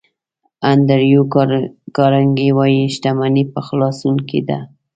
انډریو کارنګي وایي شتمني په خلاصون کې ده.